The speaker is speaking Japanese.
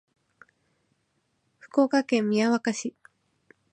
福岡県宮若市